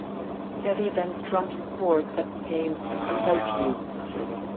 Fedi then strummed the chords that became "Without You".